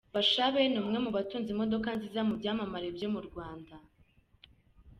Bashabe ni umwe mu batunze imodoka nziza mu byamamare byo mu Rwanda.